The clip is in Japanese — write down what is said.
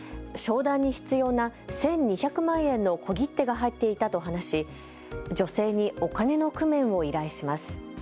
商談に必要な１２００万円の小切手が入っていたと話し女性にお金の工面を依頼します。